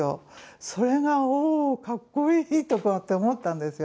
それがおおかっこいいとかって思ったんですよ